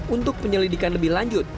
untuk penyelidikan lebih lanjut